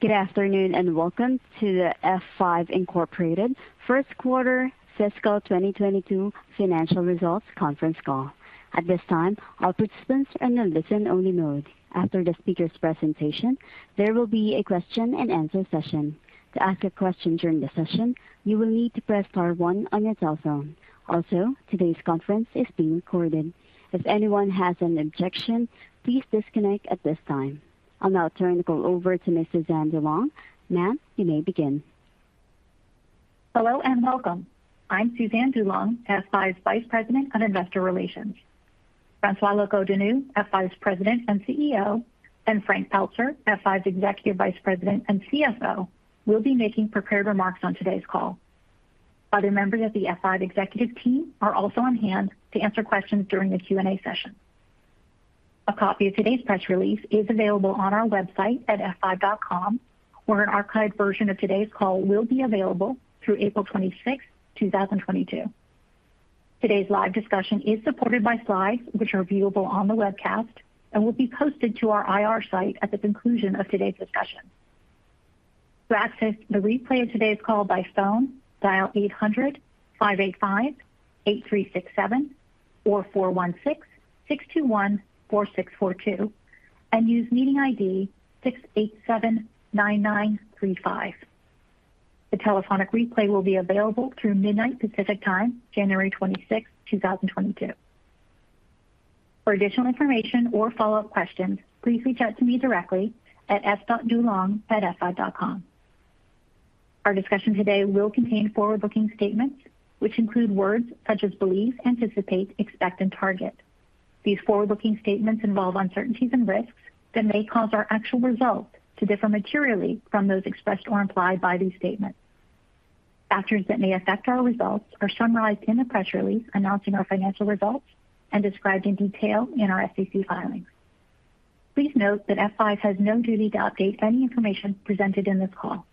Good afternoon, and welcome to the F5, Inc. First Quarter Fiscal 2022 Financial Results Conference Call. At this time, all participants are in listen-only mode. After the speaker's presentation, there will be a question-and-answer session. To ask a question during the session, you will need to press star one on your telephone. Also, today's conference is being recorded. If anyone has an objection, please disconnect at this time. I'll now turn the call over to Ms. Suzanne DuLong. Ma'am, you may begin. Hello, and welcome. I'm Suzanne DuLong, F5's Vice President of Investor Relations. François Locoh-Donou, F5's President and CEO, and Frank Pelzer, F5's Executive Vice President and CFO, will be making prepared remarks on today's call. Other members of the F5 executive team are also on hand to answer questions during the Q&A session. A copy of today's press release is available on our website at f5.com, where an archived version of today's call will be available through April 26, 2022. Today's live discussion is supported by slides which are viewable on the webcast and will be posted to our IR site at the conclusion of today's discussion. To access the replay of today's call by phone, dial 800-585-8367 or 416-621-4642 and use meeting ID 6879935. The telephonic replay will be available through midnight Pacific Time, January 26, 2022. For additional information or follow-up questions, please reach out to me directly at s.dulong@f5.com. Our discussion today will contain forward-looking statements, which include words such as believe, anticipate, expect, and target. These forward-looking statements involve uncertainties and risks that may cause our actual results to differ materially from those expressed or implied by these statements. Factors that may affect our results are summarized in the press release announcing our financial results and described in detail in our SEC filings. Please note that F5 has no duty to update any information presented in this call.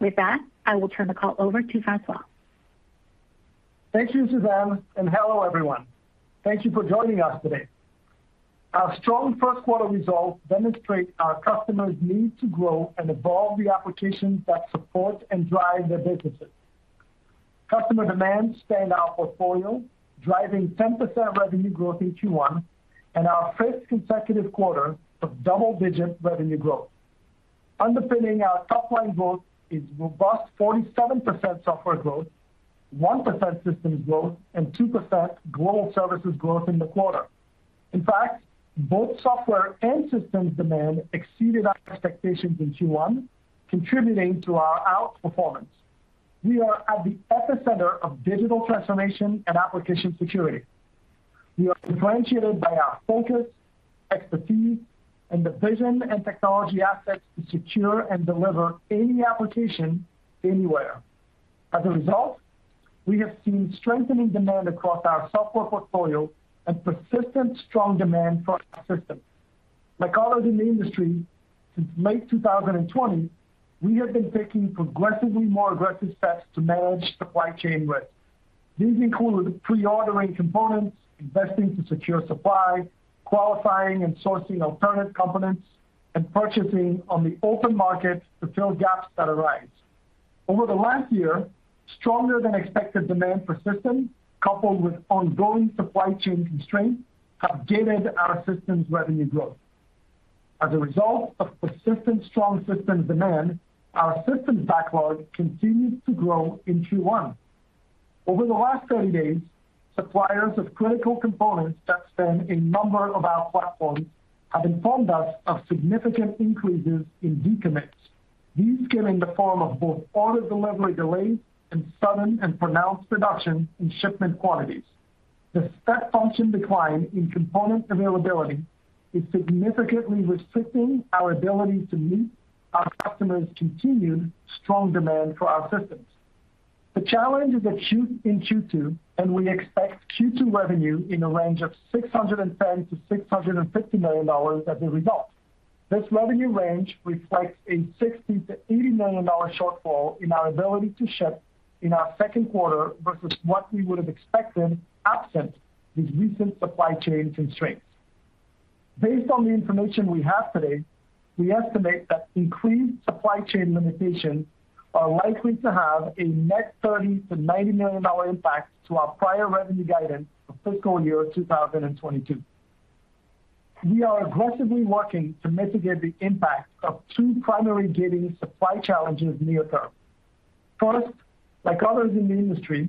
With that, I will turn the call over to François. Thank you, Suzanne, and hello, everyone. Thank you for joining us today. Our strong first quarter results demonstrate our customers' need to grow and evolve the applications that support and drive their businesses. Customer demand spanned our portfolio, driving 10% revenue growth in Q1 and our fifth consecutive quarter of double-digit revenue growth. Underpinning our top-line growth is robust 47% software growth, 1% systems growth, and 2% global services growth in the quarter. In fact, both software and systems demand exceeded our expectations in Q1, contributing to our outperformance. We are at the epicenter of digital transformation and application security. We are differentiated by our focus, expertise, and the vision and technology assets to secure and deliver any application anywhere. As a result, we have seen strengthening demand across our software portfolio and persistent strong demand for our systems. Like others in the industry, since May 2020, we have been taking progressively more aggressive steps to manage supply chain risks. These include pre-ordering components, investing to secure supply, qualifying and sourcing alternate components, and purchasing on the open market to fill gaps that arise. Over the last year, stronger than expected demand for systems coupled with ongoing supply chain constraints have gated our systems revenue growth. As a result of persistent strong systems demand, our systems backlog continued to grow in Q1. Over the last 30 days, suppliers of critical components that span a number of our platforms have informed us of significant increases in decommits. These came in the form of both order delivery delays and sudden and pronounced reduction in shipment quantities. The step-function decline in component availability is significantly restricting our ability to meet our customers' continued strong demand for our systems. The challenge is acute in Q2, and we expect Q2 revenue in the range of $610 million-$650 million as a result. This revenue range reflects a $60 million-$80 million shortfall in our ability to ship in our second quarter versus what we would have expected absent these recent supply chain constraints. Based on the information we have today, we estimate that increased supply chain limitations are likely to have a net $30 million-$90 million impact to our prior revenue guidance for fiscal year 2022. We are aggressively working to mitigate the impact of two primary gating supply challenges near term. First, like others in the industry,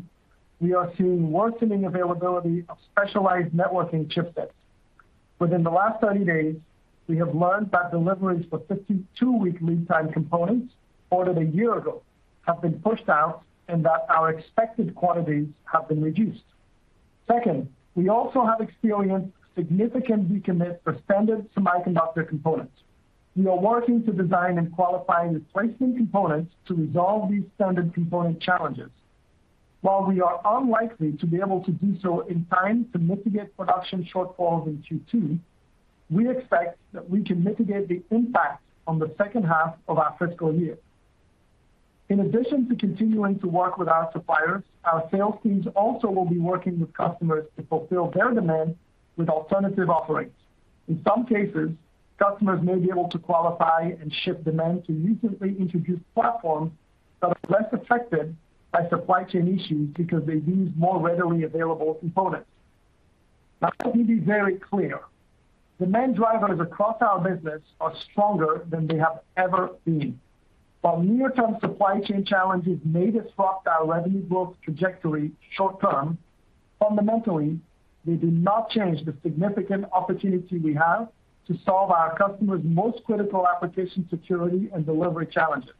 we are seeing worsening availability of specialized networking chipsets. Within the last 30 days, we have learned that deliveries for 52-week lead time components ordered a year ago have been pushed out and that our expected quantities have been reduced. Second, we also have experienced significant decommits for standard semiconductor components. We are working to design and qualify replacement components to resolve these standard component challenges. While we are unlikely to be able to do so in time to mitigate production shortfalls in Q2, we expect that we can mitigate the impact on the second half of our fiscal year. In addition to continuing to work with our suppliers, our sales teams also will be working with customers to fulfill their demand with alternative offerings. In some cases, customers may be able to qualify and ship demand to recently introduced platforms that are less affected by supply chain issues because they use more readily available components. Now, let me be very clear. Demand drivers across our business are stronger than they have ever been. While near-term supply chain challenges may disrupt our revenue growth trajectory short term, fundamentally, they do not change the significant opportunity we have to solve our customers' most critical application security and delivery challenges,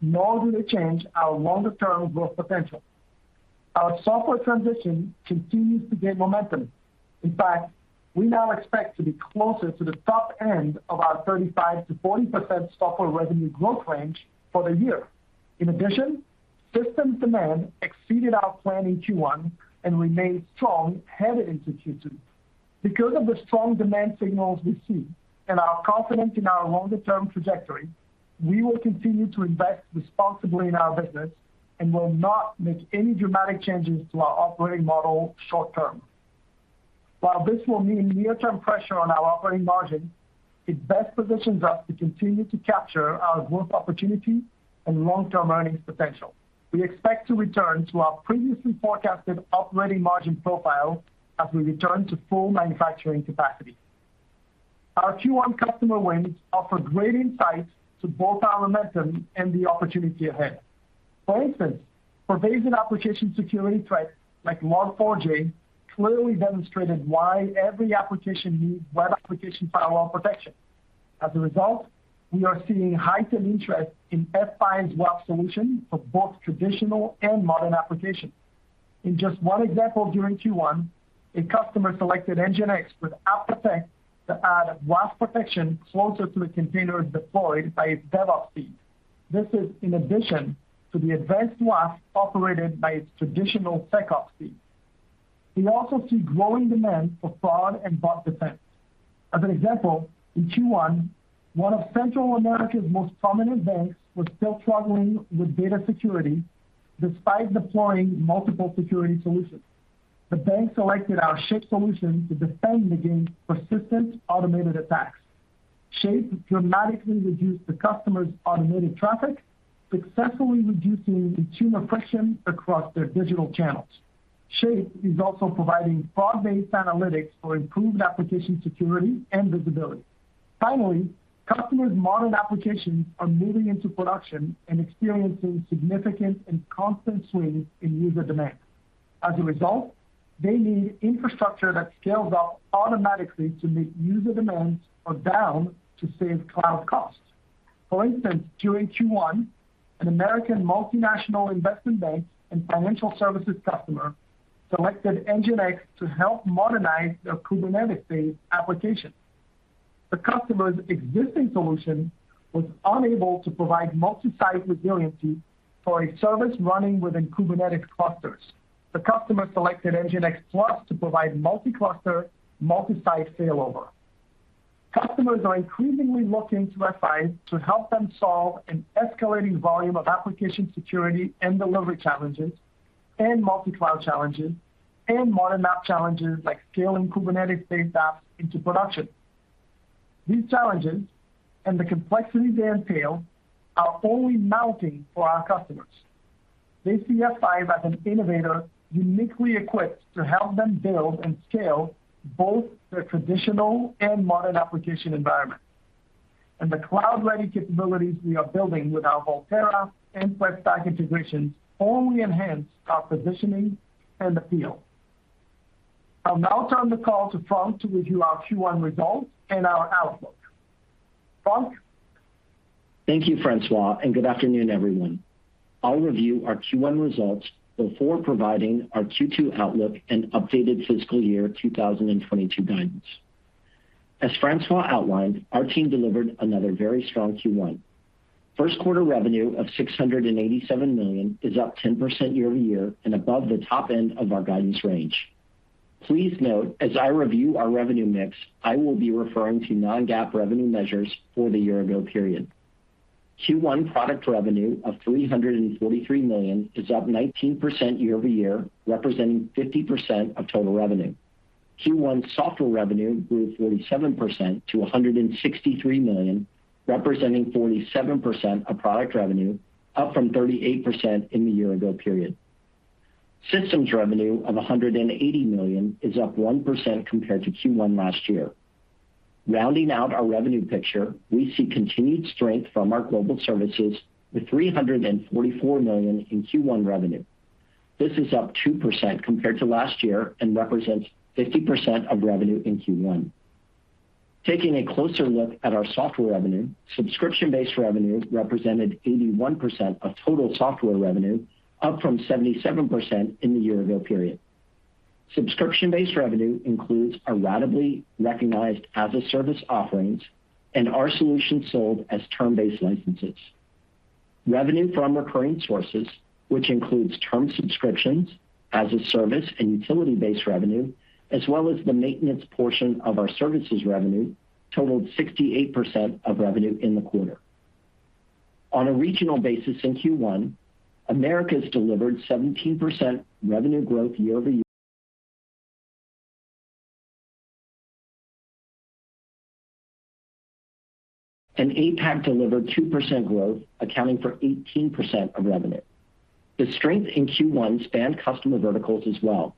nor do they change our longer-term growth potential. Our software transition continues to gain momentum. In fact, we now expect to be closer to the top end of our 35%-40% software revenue growth range for the year. In addition, systems demand exceeded our plan in Q1 and remained strong headed into Q2. Because of the strong demand signals we see and our confidence in our longer term trajectory, we will continue to invest responsibly in our business and will not make any dramatic changes to our operating model short term. While this will mean near-term pressure on our operating margin, it best positions us to continue to capture our growth opportunity and long-term earnings potential. We expect to return to our previously forecasted operating margin profile as we return to full manufacturing capacity. Our Q1 customer wins offer great insight to both our momentum and the opportunity ahead. For instance, pervasive application security threats like Log4j clearly demonstrated why every application needs web application firewall protection. As a result, we are seeing heightened interest in F5's WAF solution for both traditional and modern applications. In just one example during Q1, a customer selected NGINX with App Protect to add WAF protection closer to the containers deployed by its DevOps team. This is in addition to the Advanced WAF operated by its traditional SecOps team. We also see growing demand for fraud and bot defense. As an example, in Q1, one of Central America's most prominent banks was still struggling with data security despite deploying multiple security solutions. The bank selected our Shape solution to defend against persistent automated attacks. Shape dramatically reduced the customer's automated traffic, successfully reducing consumer friction across their digital channels. Shape is also providing fraud-based analytics for improved application security and visibility. Finally, customers' modern applications are moving into production and experiencing significant and constant swings in user demand. As a result, they need infrastructure that scales out automatically to meet user demands or down to save cloud costs. For instance, during Q1, an American multinational investment bank and financial services customer selected NGINX to help modernize their Kubernetes-based application. The customer's existing solution was unable to provide multi-site resiliency for a service running within Kubernetes clusters. The customer selected NGINX Plus to provide multi-cluster, multi-site failover. Customers are increasingly looking to F5 to help them solve an escalating volume of application security and delivery challenges, and multi-cloud challenges, and modern app challenges like scaling Kubernetes-based apps into production. These challenges, and the complexities they entail, are only mounting for our customers. They see F5 as an innovator uniquely equipped to help them build and scale both their traditional and modern application environments. The cloud-ready capabilities we are building with our Volterra and Threat Stack integrations only enhance our positioning in the field. I'll now turn the call to Frank to review our Q1 results and our outlook. Frank? Thank you, François, and good afternoon, everyone. I'll review our Q1 results before providing our Q2 outlook and updated fiscal year 2022 guidance. As François outlined, our team delivered another very strong Q1. First quarter revenue of $687 million is up 10% year-over-year and above the top end of our guidance range. Please note, as I review our revenue mix, I will be referring to non-GAAP revenue measures for the year ago period. Q1 product revenue of $343 million is up 19% year-over-year, representing 50% of total revenue. Q1 software revenue grew 37% to $163 million, representing 47% of product revenue, up from 38% in the year ago period. Systems revenue of $180 million is up 1% compared to Q1 last year. Rounding out our revenue picture, we see continued strength from our global services with $344 million in Q1 revenue. This is up 2% compared to last year and represents 50% of revenue in Q1. Taking a closer look at our software revenue, subscription-based revenue represented 81% of total software revenue, up from 77% in the year ago period. Subscription-based revenue includes our ratably recognized as-a-service offerings and our solutions sold as term-based licenses. Revenue from recurring sources, which includes term subscriptions as-a-service and utility-based revenue, as well as the maintenance portion of our services revenue, totaled 68% of revenue in the quarter. On a regional basis in Q1, Americas delivered 17% revenue growth year-over-year. APAC delivered 2% growth, accounting for 18% of revenue. The strength in Q1 spanned customer verticals as well.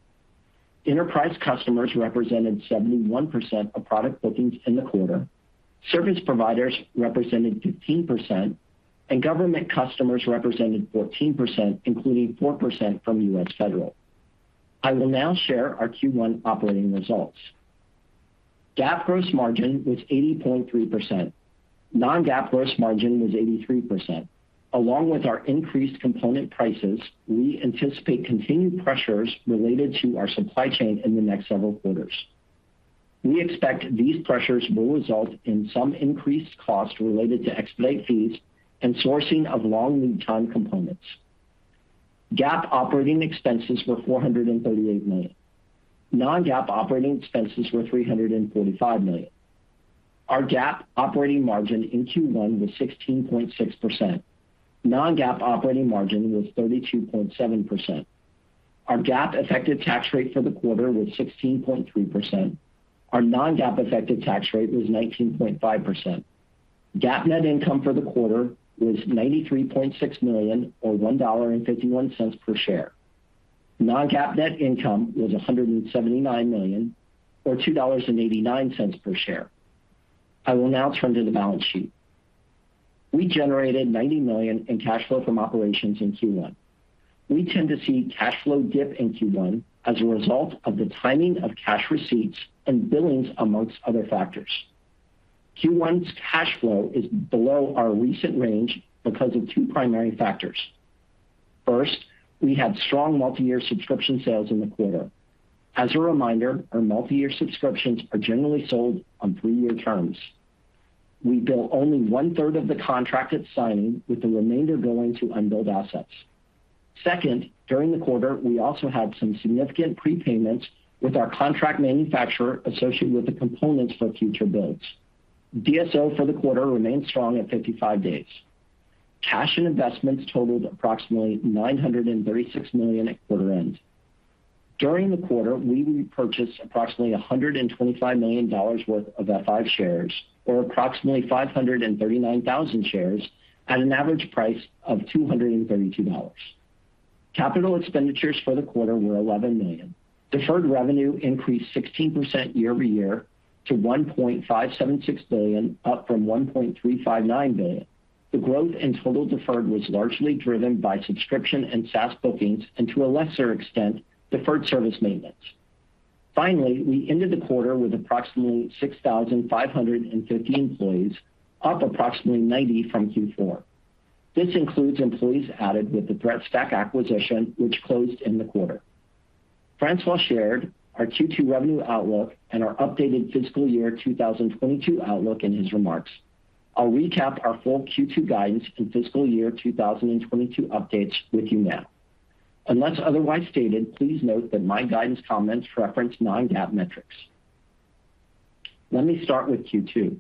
Enterprise customers represented 71% of product bookings in the quarter. Service providers represented 15%, and government customers represented 14%, including 4% from U.S. Federal. I will now share our Q1 operating results. GAAP gross margin was 80.3%. Non-GAAP gross margin was 83%. Along with our increased component prices, we anticipate continued pressures related to our supply chain in the next several quarters. We expect these pressures will result in some increased cost related to expedite fees and sourcing of long lead time components. GAAP operating expenses were $438 million. Non-GAAP operating expenses were $335 million. Our GAAP operating margin in Q1 was 16.6%. Non-GAAP operating margin was 32.7%. Our GAAP effective tax rate for the quarter was 16.3%. Our non-GAAP effective tax rate was 19.5%. GAAP net income for the quarter was $93.6 million or $1.51 per share. Non-GAAP net income was $179 million or $2.89 per share. I will now turn to the balance sheet. We generated $90 million in cash flow from operations in Q1. We tend to see cash flow dip in Q1 as a result of the timing of cash receipts and billings, among other factors. Q1's cash flow is below our recent range because of two primary factors. First, we had strong multi-year subscription sales in the quarter. As a reminder, our multi-year subscriptions are generally sold on three-year terms. We bill only one-third of the contract at signing, with the remainder billing to unbilled assets. Second, during the quarter, we also had some significant prepayments with our contract manufacturer associated with the components for future builds. DSO for the quarter remained strong at 55 days. Cash and investments totaled approximately $936 million at quarter end. During the quarter, we repurchased approximately $125 million worth of F5 shares or approximately 539,000 shares at an average price of $232. Capital expenditures for the quarter were $11 million. Deferred revenue increased 16% year-over-year to $1.576 billion, up from $1.359 billion. The growth in total deferred was largely driven by subscription and SaaS bookings and to a lesser extent, deferred service maintenance. Finally, we ended the quarter with approximately 6,550 employees, up approximately 90 from Q4. This includes employees added with the Threat Stack acquisition, which closed in the quarter. François shared our Q2 revenue outlook and our updated fiscal year 2022 outlook in his remarks. I'll recap our full Q2 guidance and fiscal year 2022 updates with you now. Unless otherwise stated, please note that my guidance comments reference non-GAAP metrics. Let me start with Q2.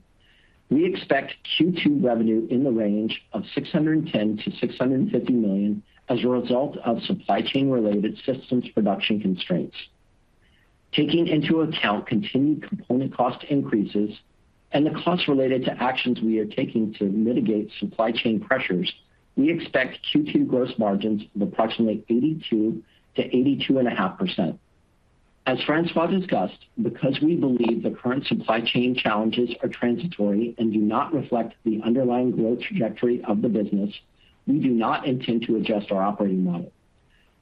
We expect Q2 revenue in the range of $610 million-$650 million as a result of supply chain-related systems production constraints. Taking into account continued component cost increases and the costs related to actions we are taking to mitigate supply chain pressures, we expect Q2 gross margins of approximately 82%-82.5%. As François discussed, because we believe the current supply chain challenges are transitory and do not reflect the underlying growth trajectory of the business, we do not intend to adjust our operating model.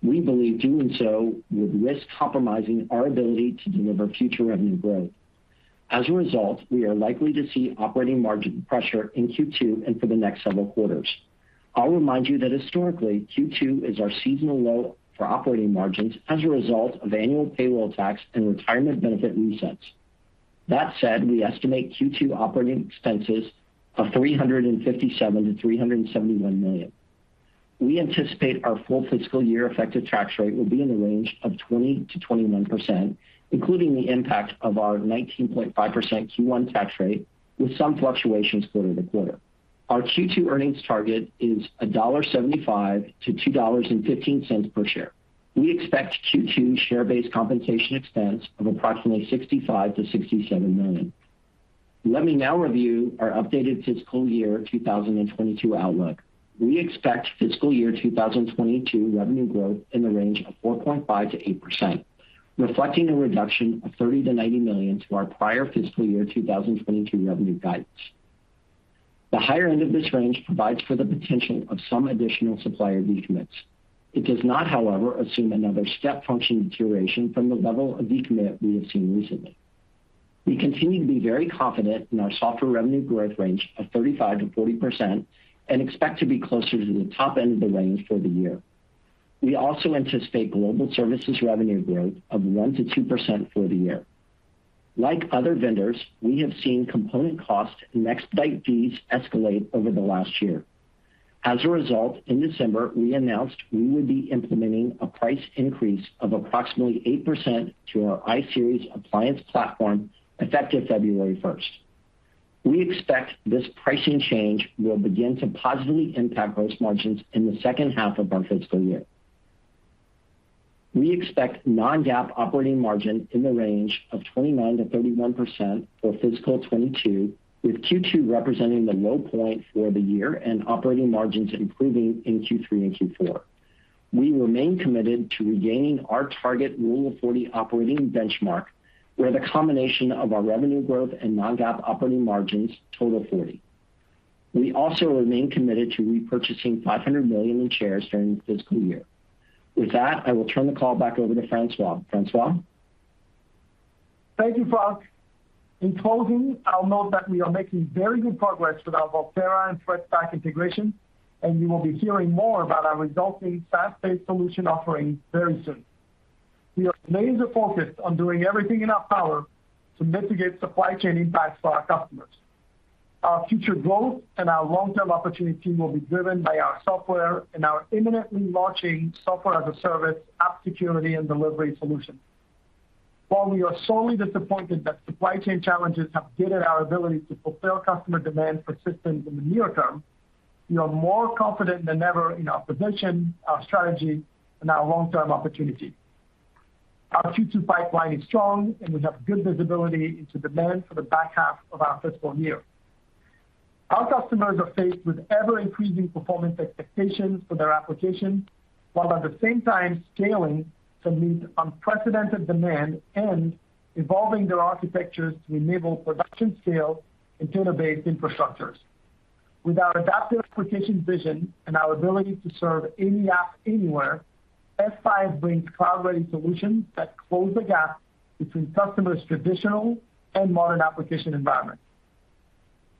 We believe doing so would risk compromising our ability to deliver future revenue growth. As a result, we are likely to see operating margin pressure in Q2 and for the next several quarters. I'll remind you that historically, Q2 is our seasonal low for operating margins as a result of annual payroll tax and retirement benefit resets. That said, we estimate Q2 operating expenses of $357 million-$371 million. We anticipate our full fiscal year effective tax rate will be in the range of 20%-21%, including the impact of our 19.5% Q1 tax rate with some fluctuations quarter to quarter. Our Q2 earnings target is $1.75-$2.15 per share. We expect Q2 share-based compensation expense of approximately $65 million-$67 million. Let me now review our updated fiscal year 2022 outlook. We expect fiscal year 2022 revenue growth in the range of 4.5%-8%, reflecting a reduction of $30 million-$90 million to our prior fiscal year 2022 revenue guidance. The higher end of this range provides for the potential of some additional supplier decommits. It does not, however, assume another step function deterioration from the level of decommit we have seen recently. We continue to be very confident in our software revenue growth range of 35%-40% and expect to be closer to the top end of the range for the year. We also anticipate global services revenue growth of 1%-2% for the year. Like other vendors, we have seen component cost and expedite fees escalate over the last year. As a result, in December, we announced we would be implementing a price increase of approximately 8% to our iSeries appliance platform effective February 1. We expect this pricing change will begin to positively impact gross margins in the second half of our fiscal year. We expect non-GAAP operating margin in the range of 29%-31% for fiscal 2022, with Q2 representing the low point for the year and operating margins improving in Q3 and Q4. We remain committed to regaining our target Rule of 40 operating benchmark, where the combination of our revenue growth and non-GAAP operating margins total 40. We also remain committed to repurchasing $500 million in shares during the fiscal year. With that, I will turn the call back over to François. François? Thank you, Frank. In closing, I'll note that we are making very good progress with our Volterra and Threat Stack integration, and you will be hearing more about our resulting SaaS-based solution offering very soon. We are laser-focused on doing everything in our power to mitigate supply chain impacts to our customers. Our future growth and our long-term opportunity will be driven by our software and our imminently launching software as a service app security and delivery solution. While we are sorely disappointed that supply chain challenges have gated our ability to fulfill customer demand for systems in the near term, we are more confident than ever in our position, our strategy, and our long-term opportunity. Our future pipeline is strong, and we have good visibility into demand for the back half of our fiscal year. Our customers are faced with ever-increasing performance expectations for their applications, while at the same time scaling to meet unprecedented demand and evolving their architectures to enable production scale and container-based infrastructures. With our adaptive applications vision and our ability to serve any app anywhere, F5 brings cloud-ready solutions that close the gap between customers' traditional and modern application environments.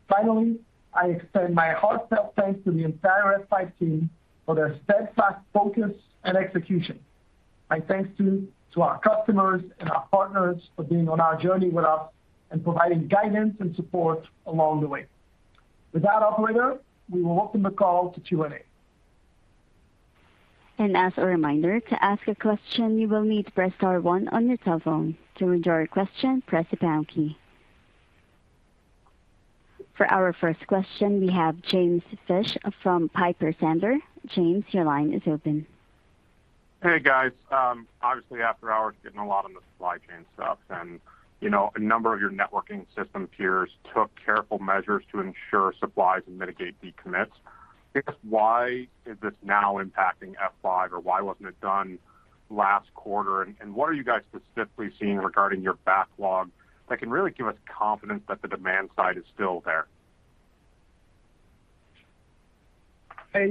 Finally, I extend my heartfelt thanks to the entire F5 team for their steadfast focus and execution. My thanks to our customers and our partners for being on our journey with us and providing guidance and support along the way. With that, operator, we will open the call to Q&A. As a reminder, to ask a question, you will need to press star one on your cell phone. To withdraw your question, press the pound key. For our first question, we have James Fish from Piper Sandler. James, your line is open. Hey, guys. Obviously after hours getting a lot on the supply chain stuff and, you know, a number of your networking system peers took careful measures to ensure supplies and mitigate decommits. I guess why is this now impacting F5, or why wasn't it done last quarter? What are you guys specifically seeing regarding your backlog that can really give us confidence that the demand side is still there? Hey,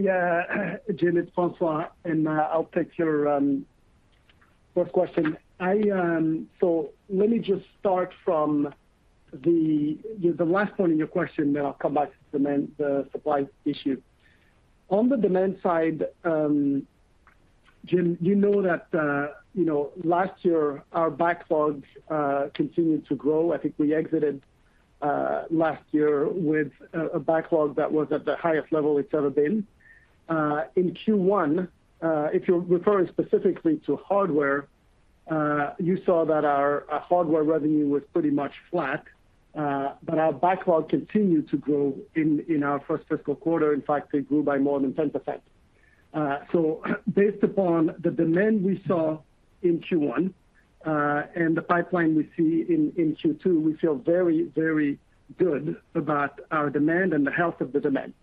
Jim, it's François, and I'll take your first question. Let me just start from the last point in your question, then I'll come back to demand and supply issue. On the demand side, Jim, you know that, you know, last year our backlogs continued to grow. I think we exited last year with a backlog that was at the highest level it's ever been. In Q1, if you're referring specifically to hardware, you saw that our hardware revenue was pretty much flat, but our backlog continued to grow in our first fiscal quarter. In fact, it grew by more than 10%. Based upon the demand we saw in Q1, and the pipeline we see in Q2, we feel very, very good about our demand and the health of the demand.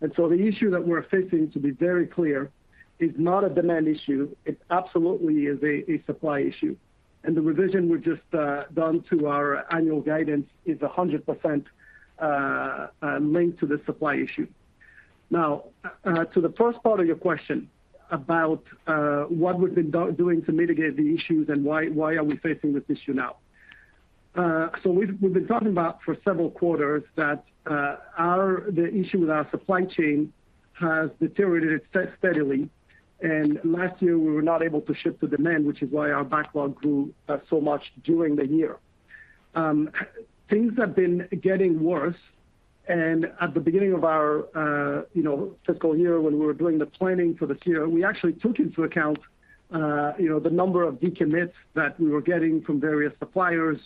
The issue that we're facing, to be very clear, is not a demand issue, it absolutely is a supply issue. The revision we've just done to our annual guidance is 100% linked to the supply issue. Now, to the first part of your question about what we've been doing to mitigate the issues and why are we facing this issue now. We've been talking about for several quarters that the issue with our supply chain has deteriorated steadily, and last year we were not able to ship to demand, which is why our backlog grew so much during the year. Things have been getting worse. At the beginning of our, you know, fiscal year when we were doing the planning for this year, we actually took into account, you know, the number of decommits that we were getting from various suppliers,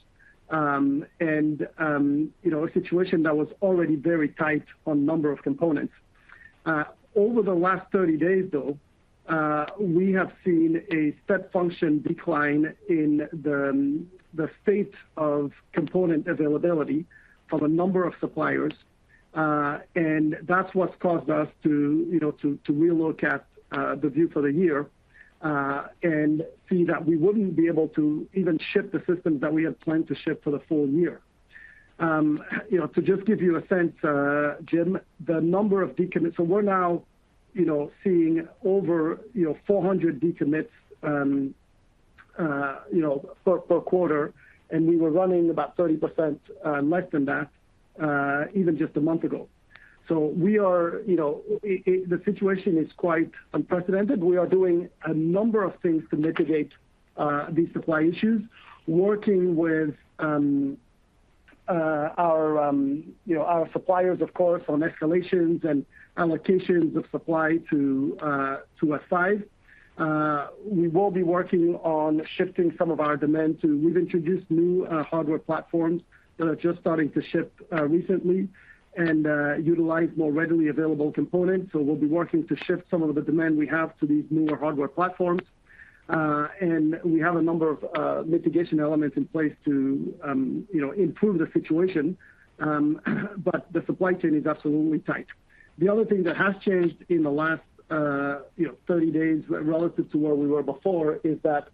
and, you know, a situation that was already very tight on number of components. Over the last 30 days, though, we have seen a step function decline in the state of component availability for the number of suppliers. That's what's caused us to, you know, to re-look at the view for the year and see that we wouldn't be able to even ship the systems that we had planned to ship for the full year. You know, to just give you a sense, Jim, the number of decommits, so we're now, you know, seeing over 400 decommits, you know, per quarter, and we were running about 30% less than that, even just a month ago. The situation is quite unprecedented. We are doing a number of things to mitigate these supply issues, working with our suppliers, of course, on escalations and allocations of supply to F5. We will be working on shifting some of our demand to... We've introduced new hardware platforms that are just starting to ship recently and utilize more readily available components. We'll be working to shift some of the demand we have to these newer hardware platforms. We have a number of mitigation elements in place to you know improve the situation. The supply chain is absolutely tight. The other thing that has changed in the last you know 30 days relative to where we were before is that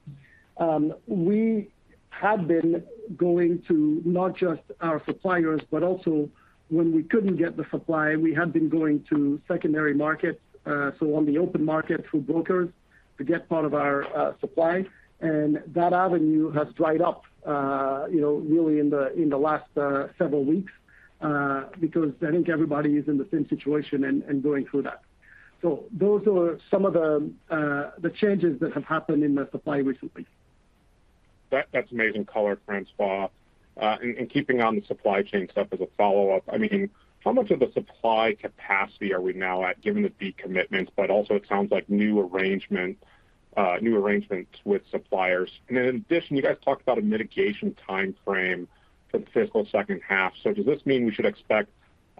we had been going to not just our suppliers but also when we couldn't get the supply we had been going to secondary markets so on the open market through brokers to get part of our supply. That avenue has dried up, you know, really in the last several weeks, because I think everybody is in the same situation and going through that. Those are some of the changes that have happened in the supply recently. That's amazing color, François. Keeping on the supply chain stuff as a follow-up, I mean, how much of the supply capacity are we now at, given the decommitments, but also it sounds like new arrangements with suppliers. In addition, you guys talked about a mitigation timeframe for the fiscal second half. Does this mean we should expect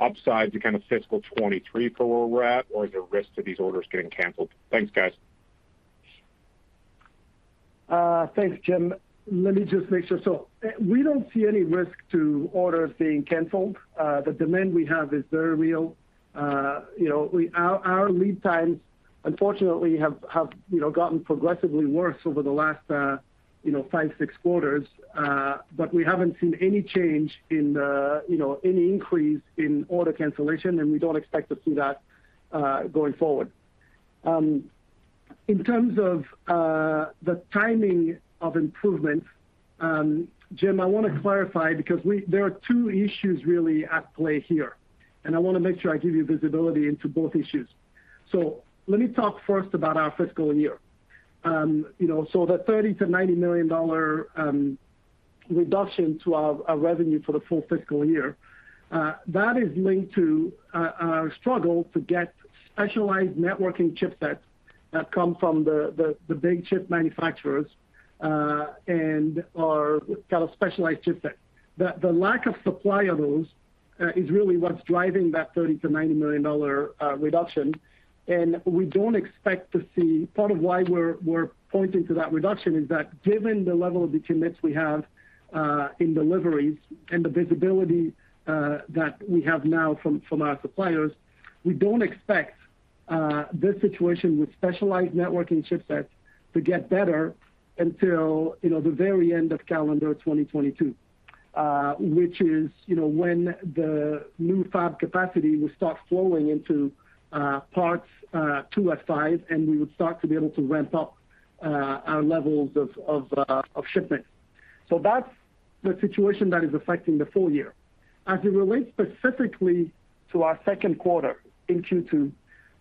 upside to fiscal 2023 for where we're at, or is there risk to these orders getting canceled? Thanks, guys. Thanks, Jim. Let me just make sure. We don't see any risk to orders being canceled. The demand we have is very real. You know, our lead times unfortunately have gotten progressively worse over the last five, six quarters. But we haven't seen any change in you know any increase in order cancellation, and we don't expect to see that going forward. In terms of the timing of improvement, Jim, I want to clarify because there are two issues really at play here, and I want to make sure I give you visibility into both issues. Let me talk first about our fiscal year. You know, the $30 million-$90 million reduction to our revenue for the full fiscal year that is linked to our struggle to get specialized networking chipsets that come from the big chip manufacturers and are kind of specialized chipset. The lack of supply of those is really what's driving that $30 million-$90 million reduction. We don't expect to see. Part of why we're pointing to that reduction is that given the level of decommit we have in deliveries and the visibility that we have now from our suppliers, we don't expect this situation with specialized networking chipsets to get better until, you know, the very end of calendar 2022, which is, you know, when the new fab capacity will start flowing into parts to F5, and we would start to be able to ramp up our levels of shipments. So that's the situation that is affecting the full year. As it relates specifically to our second quarter, in Q2,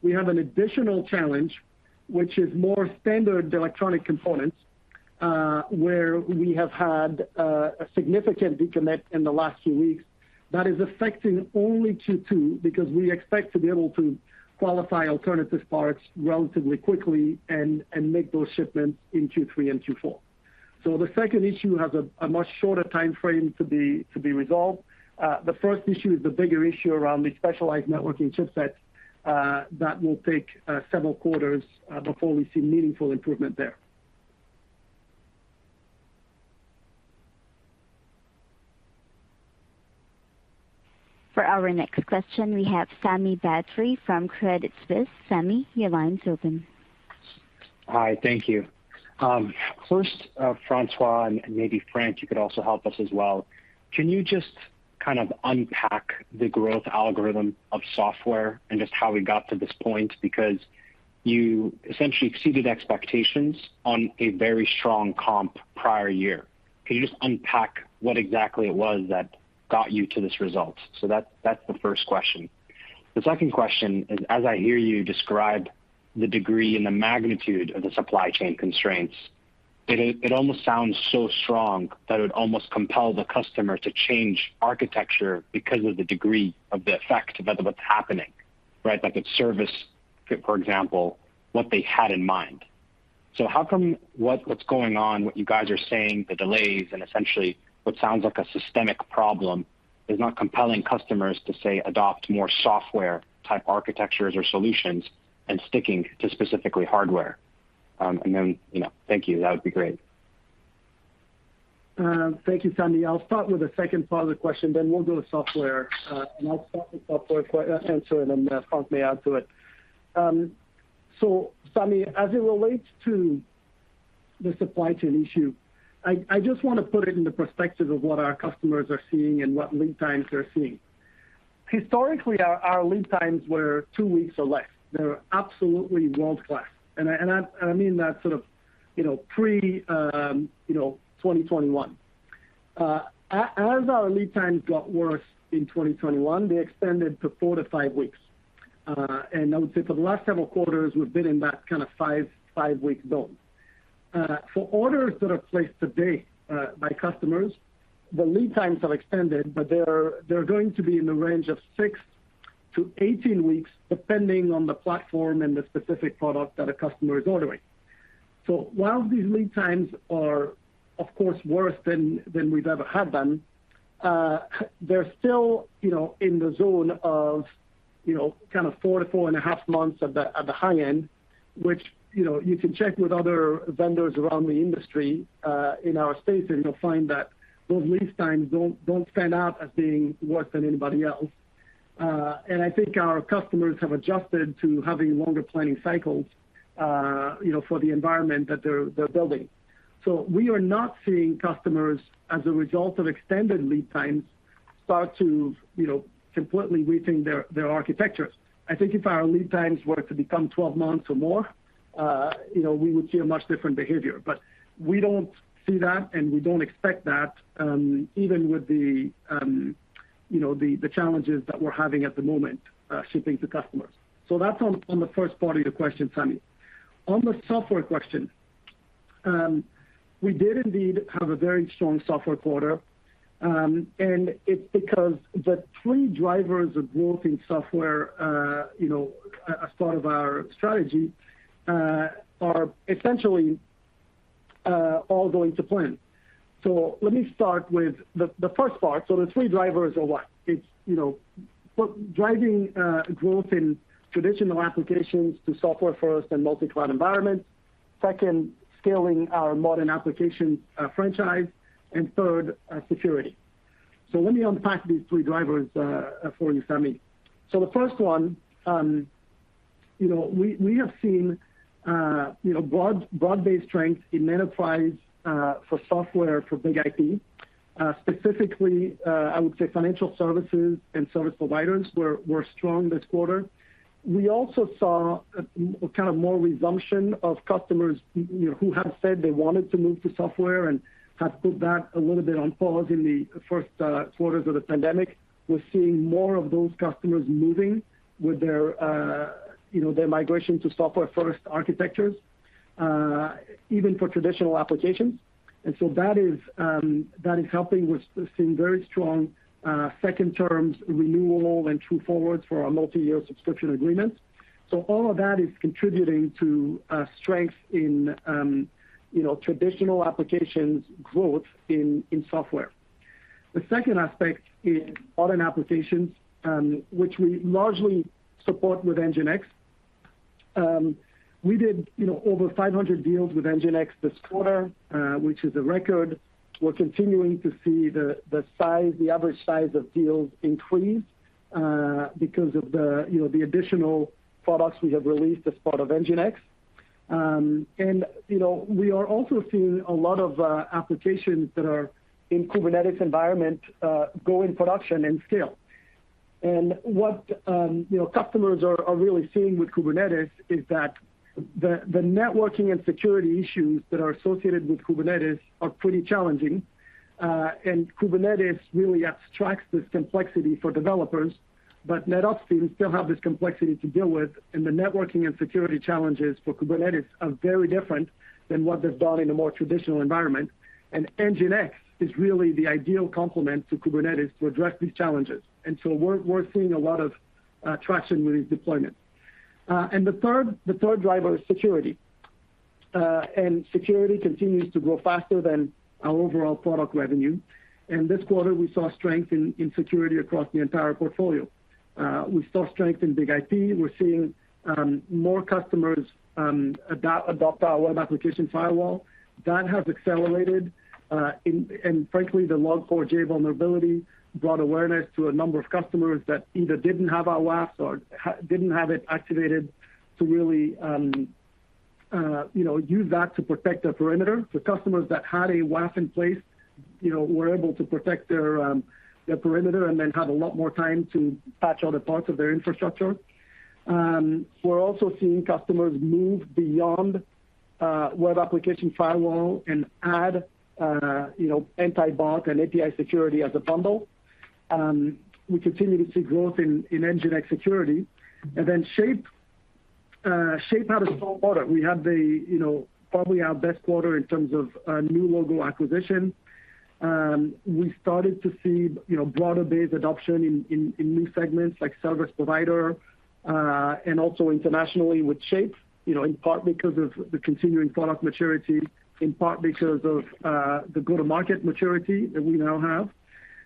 we have an additional challenge, which is more standard electronic components, where we have had a significant decommit in the last few weeks that is affecting only Q2 because we expect to be able to qualify alternative parts relatively quickly and make those shipments in Q3 and Q4. The second issue has a much shorter timeframe to be resolved. The first issue is the bigger issue around the specialized networking chipsets that will take several quarters before we see meaningful improvement there. For our next question, we have Sami Badri from Credit Suisse. Sami, your line's open. Hi, thank you. First, François, and maybe Frank, you could also help us as well. Can you just kind of unpack the growth algorithm of software and just how we got to this point? Because you essentially exceeded expectations on a very strong comp prior year. Can you just unpack what exactly it was that got you to this result? That's the first question. The second question is, as I hear you describe the degree and the magnitude of the supply chain constraints, it almost sounds so strong that it would almost compel the customer to change architecture because of the degree of the effect of what's happening, right? Like if service, for example, what they had in mind. How come what's going on, what you guys are saying, the delays and essentially what sounds like a systemic problem, is not compelling customers to, say, adopt more software type architectures or solutions and sticking to specifically hardware? And then, you know. Thank you. That would be great. Thank you, Sami. I'll start with the second part of the question, then we'll go to software. I'll start with software answer, and then Frank may add to it. Sami, as it relates to the supply chain issue, I just want to put it in the perspective of what our customers are seeing and what lead times they're seeing. Historically, our lead times were two weeks or less. They were absolutely world-class. I mean that sort of, you know, pre, you know, 2021. As our lead times got worse in 2021, they extended to four to five weeks. I would say for the last several quarters, we've been in that kind of five-week zone. For orders that are placed today by customers, the lead times have extended, but they're going to be in the range of six-18 weeks, depending on the platform and the specific product that a customer is ordering. While these lead times are, of course, worse than we've ever had them, they're still, you know, in the zone of, you know, kind of four to 4.5 months at the high end, which, you know, you can check with other vendors around the industry in our space, and you'll find that those lead times don't stand out as being worse than anybody else. I think our customers have adjusted to having longer planning cycles, you know, for the environment that they're building. We are not seeing customers, as a result of extended lead times, start to, you know, completely rethink their architectures. I think if our lead times were to become 12 months or more, you know, we would see a much different behavior. We don't see that, and we don't expect that, even with the, you know, the challenges that we're having at the moment, shipping to customers. That's on the first part of your question, Sami. On the software question, we did indeed have a very strong software quarter, and it's because the three drivers of growth in software, you know, as part of our strategy, are essentially all going to plan. Let me start with the first part. The three drivers are what? It's, you know, driving growth in traditional applications to software-first and multi-cloud environments. Second, scaling our modern application franchise. And third, security. Let me unpack these three drivers for you, Sami. The first one, you know, we have seen, you know, broad-based strength in enterprise for software for BIG-IP. Specifically, I would say financial services and service providers were strong this quarter. We also saw kind of more resumption of customers, you know, who had said they wanted to move to software and had put that a little bit on pause in the first quarters of the pandemic. We're seeing more of those customers moving with their, you know, their migration to software first architectures, even for traditional applications. That is helping with seeing very strong, second terms renewal and true forwards for our multi-year subscription agreements. All of that is contributing to, strength in, you know, traditional applications growth in software. The second aspect is modern applications, which we largely support with NGINX. We did, you know, over 500 deals with NGINX this quarter, which is a record. We're continuing to see the average size of deals increase, because of the, you know, the additional products we have released as part of NGINX. We are also seeing a lot of applications that are in Kubernetes environment go in production and scale. What you know customers are really seeing with Kubernetes is that the networking and security issues that are associated with Kubernetes are pretty challenging. Kubernetes really abstracts this complexity for developers, but NetOps teams still have this complexity to deal with, and the networking and security challenges for Kubernetes are very different than what they've done in a more traditional environment. NGINX is really the ideal complement to Kubernetes to address these challenges. We're seeing a lot of traction with these deployments. The third driver is security. Security continues to grow faster than our overall product revenue. This quarter, we saw strength in security across the entire portfolio. We saw strength in BIG-IP. We're seeing more customers adopt our web application firewall. That has accelerated. Frankly, the Log4j vulnerability brought awareness to a number of customers that either didn't have our WAF or didn't have it activated to really, you know, use that to protect their perimeter. The customers that had a WAF in place, you know, were able to protect their perimeter and then had a lot more time to patch other parts of their infrastructure. We're also seeing customers move beyond web application firewall and add, you know, anti-bot and API security as a bundle. We continue to see growth in NGINX security. Then Shape had a strong quarter. We had the, you know, probably our best quarter in terms of new logo acquisition. We started to see, you know, broader-based adoption in new segments like service provider, and also internationally with Shape, you know, in part because of the continuing product maturity, in part because of the go-to-market maturity that we now have.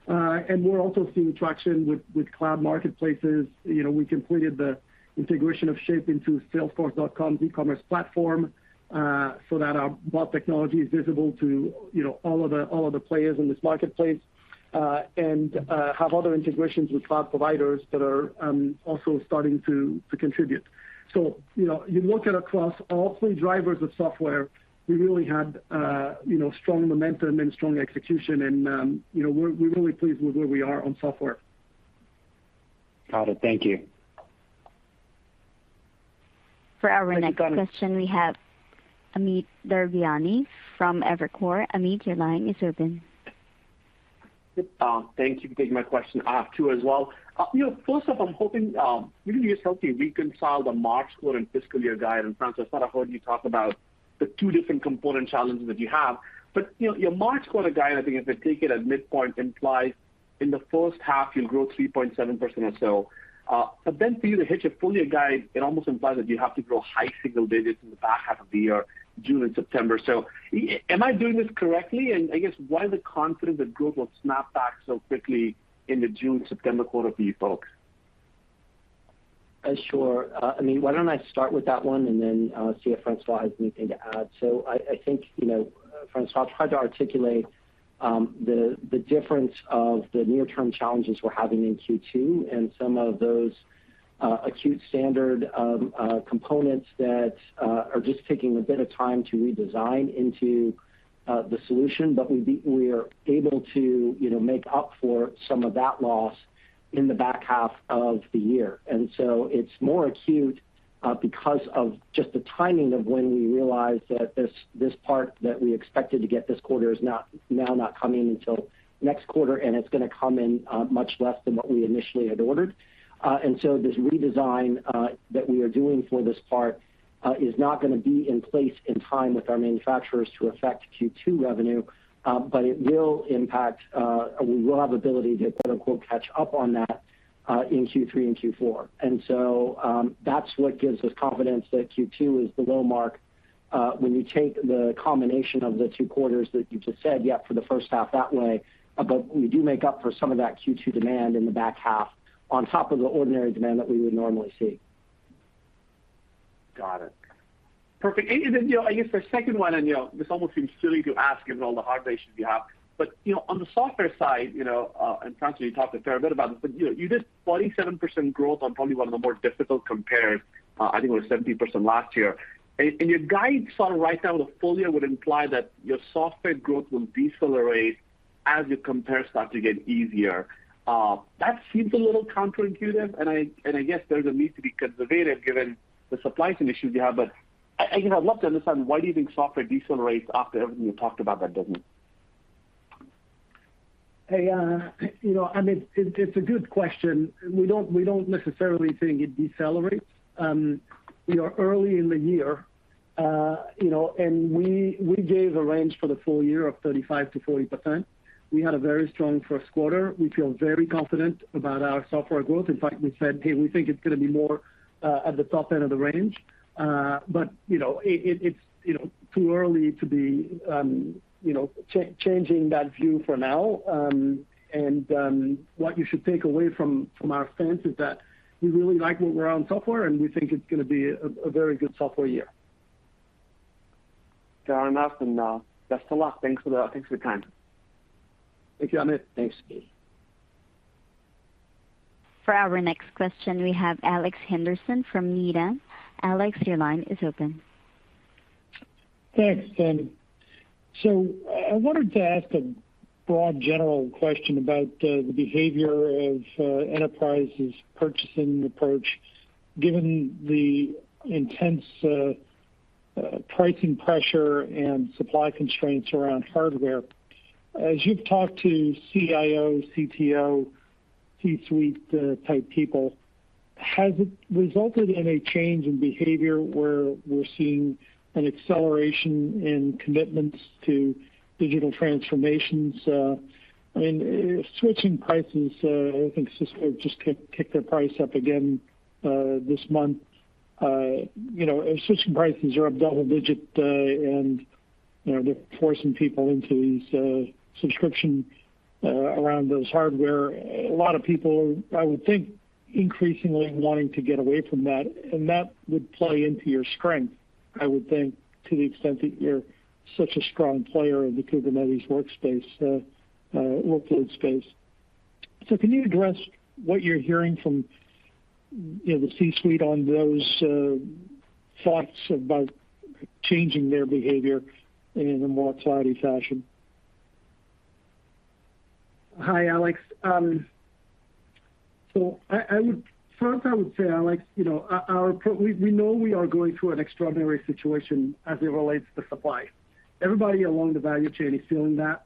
We're also seeing traction with cloud marketplaces. You know, we completed the integration of Shape into salesforce.com's e-commerce platform, so that our bot technology is visible to, you know, all of the players in this marketplace, and have other integrations with cloud providers that are also starting to contribute. You know, you look at across all three drivers of software, we really had, you know, strong momentum and strong execution, and, you know, we're really pleased with where we are on software. Got it. Thank you. For our next question, we have Amit Daryanani from Evercore. Amit, your line is open. Thank you for taking my question. I have two as well. You know, first off, I'm hoping, maybe you can just help me reconcile the March quarter and fiscal year guide. François, I kind of heard you talk about the two different component challenges that you have. You know, your March quarter guide, I think if I take it at midpoint, implies in the first half you'll grow 3.7% or so. Then for you to hit your full year guide, it almost implies that you have to grow high single digits in the back half of the year, June and September. Am I doing this correctly? I guess why the confidence that growth will snap back so quickly in the June, September quarter for you folks? Sure. I mean, why don't I start with that one, and then see if François has anything to add. I think, you know, François tried to articulate the difference of the near-term challenges we're having in Q2 and some of those acute standard components that are just taking a bit of time to redesign into the solution. But we are able to, you know, make up for some of that loss in the back half of the year. It's more acute because of just the timing of when we realized that this part that we expected to get this quarter is now not coming until next quarter, and it's gonna come in much less than what we initially had ordered. This redesign that we are doing for this part is not gonna be in place in time with our manufacturers to affect Q2 revenue, but we will have ability to quote-unquote catch up on that in Q3 and Q4. That's what gives us confidence that Q2 is the low mark when you take the combination of the two quarters that you just said, yeah, for the first half that way. We do make up for some of that Q2 demand in the back half on top of the ordinary demand that we would normally see. Got it. Perfect. You know, I guess for second one, you know, this almost seems silly to ask given all the hard issues you have. You know, on the software side, you know, and François, you talked a fair bit about this, but you know, you did 47% growth on probably one of the more difficult compares, I think it was 17% last year. Your guide sort of right now the full year would imply that your software growth will decelerate as your compares start to get easier. That seems a little counterintuitive, and I guess there's a need to be conservative given the supply chain issues you have. I, you know, I'd love to understand why do you think software decelerates after everything you talked about that doesn't? Hey, you know, I mean, it's a good question. We don't necessarily think it decelerates. We are early in the year, you know, and we gave a range for the full year of 35%-40%. We had a very strong first quarter. We feel very confident about our software growth. In fact, we said, "Hey, we think it's gonna be more at the top end of the range." You know, it's too early to be changing that view for now. What you should take away from our stance is that we really like where we're on software, and we think it's gonna be a very good software year. Fair enough, and, best of luck. Thanks for the time. Thank you, Amit. Thanks. For our next question, we have Alex Henderson from Needham. Alex, your line is open. Thanks. I wanted to ask a broad general question about the behavior of enterprises' purchasing approach, given the intense pricing pressure and supply constraints around hardware. As you've talked to CIO, CTO, C-suite type people, has it resulted in a change in behavior where we're seeing an acceleration in commitments to digital transformations? I mean, switching prices, I think Cisco just kicked their price up again this month. You know, and switching prices are up double digit, and you know, they're forcing people into these subscription around those hardware. A lot of people, I would think, increasingly wanting to get away from that, and that would play into your strength, I would think, to the extent that you're such a strong player in the Kubernetes workspace, workload space. Can you address what you're hearing from, you know, the C-suite on those thoughts about changing their behavior in a more cloudy fashion? Hi, Alex. I would first say, Alex, you know, we know we are going through an extraordinary situation as it relates to supply. Everybody along the value chain is feeling that.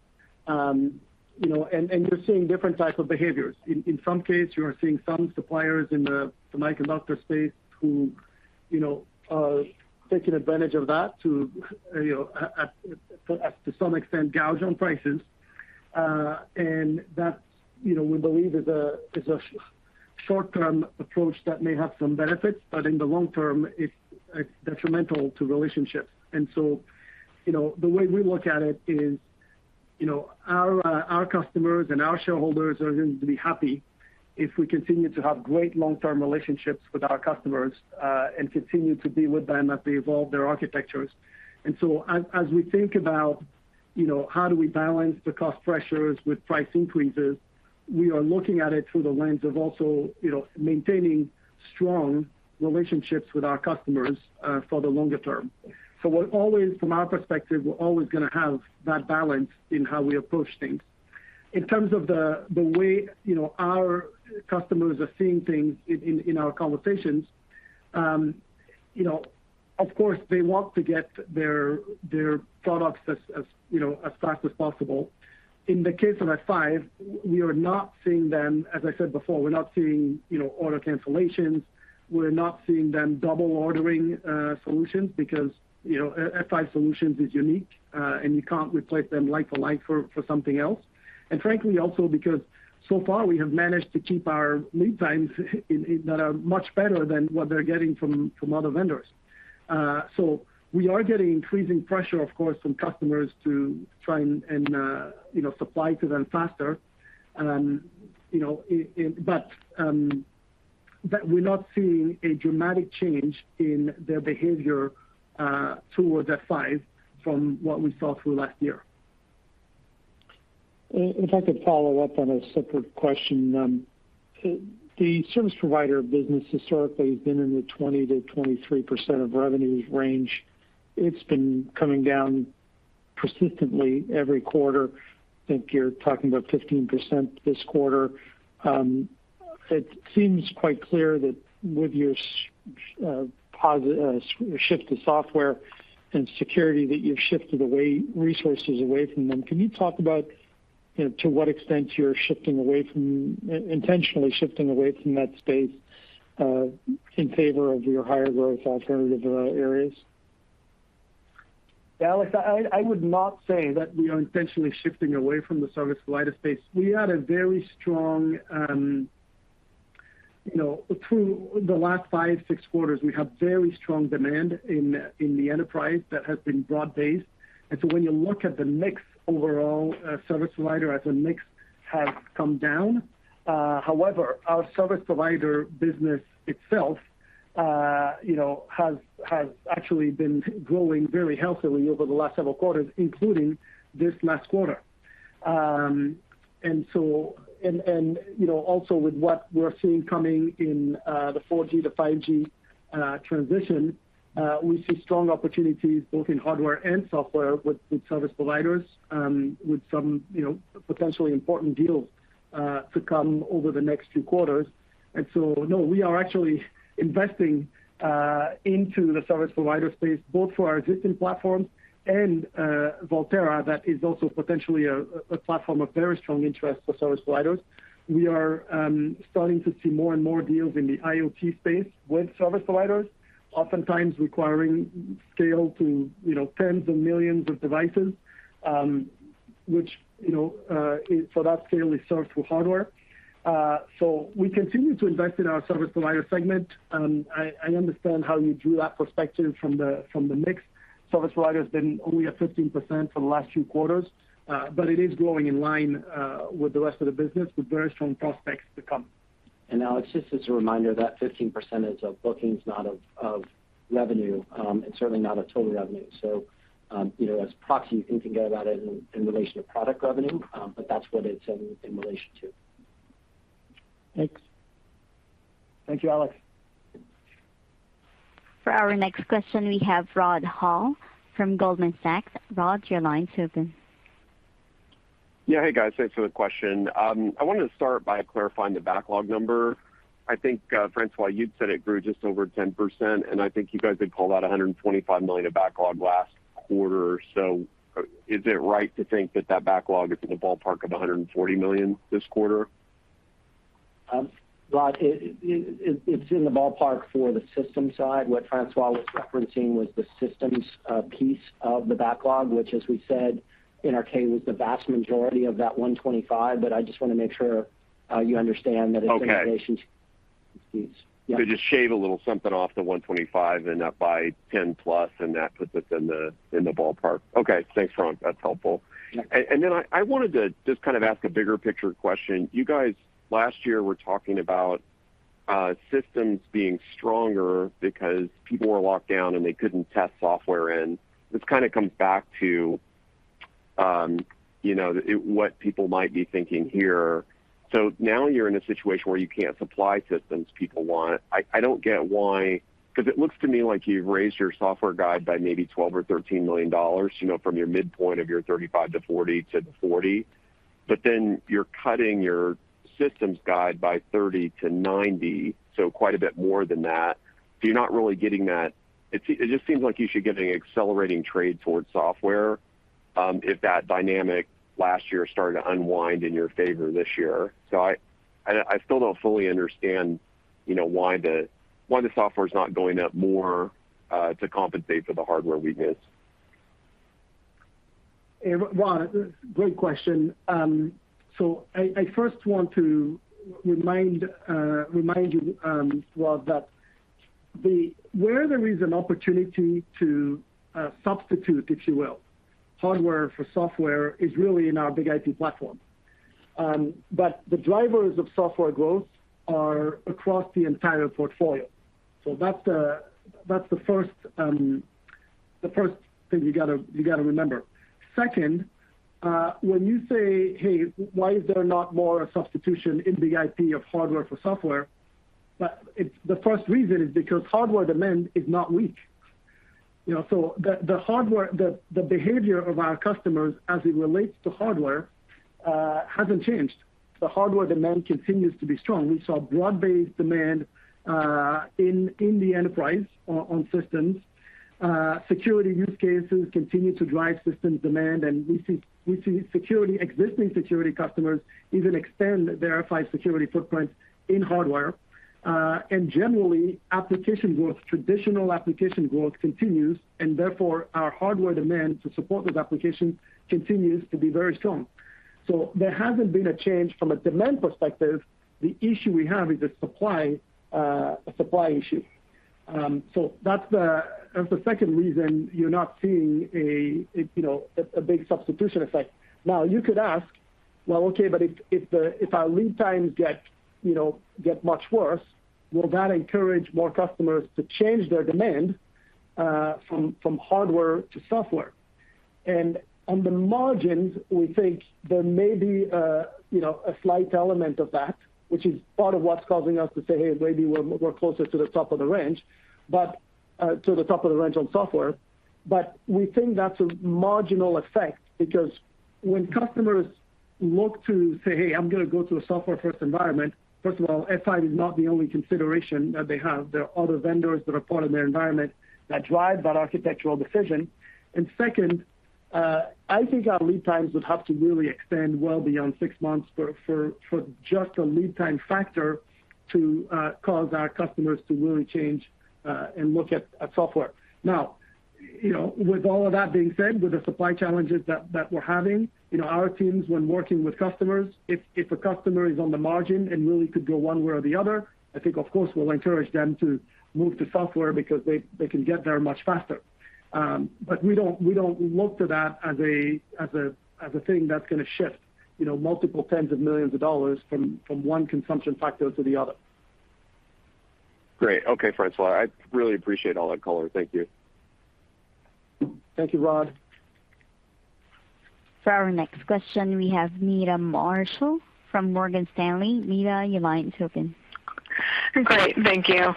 You know, you're seeing different types of behaviors. In some cases you are seeing some suppliers in the semiconductor space who, you know, are taking advantage of that to some extent gouge on prices. That, you know, we believe is a short-term approach that may have some benefits, but in the long term, it's detrimental to relationships. You know, the way we look at it is, you know, our customers and our shareholders are going to be happy if we continue to have great long-term relationships with our customers, and continue to be with them as they evolve their architectures. As we think about, you know, how do we balance the cost pressures with price increases, we are looking at it through the lens of also, you know, maintaining strong relationships with our customers, for the longer term. From our perspective, we're always gonna have that balance in how we approach things. In terms of the way, you know, our customers are seeing things in our conversations, you know, of course, they want to get their products as, you know, as fast as possible. In the case of F5, we are not seeing them as I said before. We're not seeing, you know, order cancellations. We're not seeing them double ordering solutions because, you know, F5 solutions is unique, and you can't replace them like for like for something else. Frankly, also because so far we have managed to keep our lead times that are much better than what they're getting from other vendors. We are getting increasing pressure, of course, from customers to try and, you know, supply to them faster. You know, but we're not seeing a dramatic change in their behavior towards F5 from what we saw through last year. If I could follow up on a separate question. The service provider business historically has been in the 20%-23% of revenues range. It's been coming down persistently every quarter. I think you're talking about 15% this quarter. It seems quite clear that with your shift to software and security that you've shifted away resources away from them. Can you talk about, you know, to what extent you're shifting away from intentionally shifting away from that space, in favor of your higher growth alternative areas? Alex, I would not say that we are intentionally shifting away from the service provider space. We had a very strong, you know, through the last five-six quarters, we have very strong demand in the enterprise that has been broad-based. When you look at the mix overall, service provider as a mix has come down. However, our service provider business itself, you know, has actually been growing very healthily over the last several quarters, including this last quarter. You know, also with what we're seeing coming in, the 4G to 5G transition, we see strong opportunities both in hardware and software with the service providers, with some, you know, potentially important deals to come over the next two quarters. No, we are actually investing into the service provider space, both for our existing platforms and Volterra, that is also potentially a platform of very strong interest for service providers. We are starting to see more and more deals in the IoT space with service providers, oftentimes requiring scale to, you know, tens of millions of devices, which, you know, so that scale is served through hardware. So we continue to invest in our service provider segment. I understand how you drew that perspective from the mix. Service provider has been only at 15% for the last two quarters, but it is growing in line with the rest of the business with very strong prospects to come. Alex, just as a reminder, that 15% is of bookings, not of revenue, and certainly not of total revenue. You know, as a proxy, you can think about it in relation to product revenue, but that's what it's in relation to. Thanks. Thank you, Alex. For our next question, we have Rod Hall from Goldman Sachs. Rod, your line is open. Yeah. Hey, guys. Thanks for the question. I wanted to start by clarifying the backlog number. I think, François, you'd said it grew just over 10%, and I think you guys had called out $125 million of backlog last quarter. Is it right to think that that backlog is in the ballpark of $140 million this quarter? Rod, it's in the ballpark for the system side. What François was referencing was the systems piece of the backlog, which, as we said in our K, was the vast majority of that $125. I just want to make sure you understand that it's in relation to. Okay. Yeah. Just shave a little something off the $125 and up by $10+, and that puts us in the ballpark. Okay. Thanks, Ron. That's helpful. Yeah. I wanted to just kind of ask a bigger picture question. You guys last year were talking about systems being stronger because people were locked down, and they couldn't test software in. This kind of comes back to what people might be thinking here. Now you're in a situation where you can't supply systems people want. I don't get why because it looks to me like you've raised your software guide by maybe $12 million or $13 million, you know, from your midpoint of your 35-40-40. But then you're cutting your systems guide by $30 million-$90 million, so quite a bit more than that. You're not really getting that. It just seems like you should get an accelerating trade towards software, if that dynamic last year started to unwind in your favor this year. I still don't fully understand, you know, why the software is not going up more to compensate for the hardware weakness. Rod, great question. I first want to remind you, Rod, that where there is an opportunity to substitute, if you will, hardware for software is really in our BIG-IP platform. The drivers of software growth are across the entire portfolio. That's the first thing you gotta remember. Second, when you say, "Hey, why is there not more substitution in BIG-IP of hardware for software?" It's the first reason is because hardware demand is not weak. The hardware, the behavior of our customers as it relates to hardware hasn't changed. The hardware demand continues to be strong. We saw broad-based demand in the enterprise on systems. Security use cases continue to drive systems demand, and we see existing security customers even extend their F5 security footprint in hardware. Traditional application growth continues, and therefore our hardware demand to support those applications continues to be very strong. There hasn't been a change from a demand perspective. The issue we have is a supply issue. That's the second reason you're not seeing a big substitution effect. Now, you could ask, but if our lead times get much worse, will that encourage more customers to change their demand from hardware to software? On the margins, we think there may be, you know, a slight element of that, which is part of what's causing us to say, "Hey, maybe we're closer to the top of the range," but to the top of the range on software. We think that's a marginal effect because when customers look to say, "Hey, I'm gonna go to a software-first environment," first of all, F5 is not the only consideration that they have. There are other vendors that are part of their environment that drive that architectural decision. Second, I think our lead times would have to really extend well beyond six months for just a lead time factor to cause our customers to really change and look at software. Now, you know, with all of that being said, with the supply challenges that we're having, you know, our teams when working with customers, if a customer is on the margin and really could go one way or the other, I think, of course, we'll encourage them to move to software because they can get there much faster. But we don't look to that as a thing that's gonna shift, you know, multiple tens of millions of dollars from one consumption factor to the other. Great. Okay, François. I really appreciate all that color. Thank you. Thank you, Rod. For our next question, we have Meta Marshall from Morgan Stanley. Meta, your line is open. Great. Thank you.